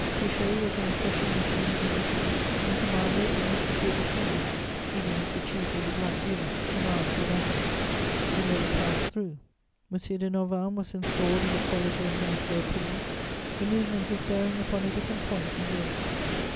Fouché was on a special mission in Italy and commanded in the city of the Cæsars, even as the chief of the black eunuchs commands in Athens: he merely passed through; M. de Norvins was installed in the quality of Minister of Police: the movement was bearing upon a different point in Europe.